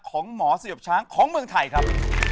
ของหมอเสียบช้างของเมืองไทยครับ